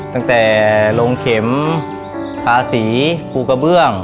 ตั้งแต่ลงเข็มทาสีภูกระเบื้อง